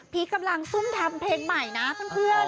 กำลังซุ่มทำเพลงใหม่นะเพื่อน